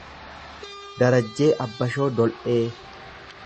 Darajjee Abbashoo Dol’ee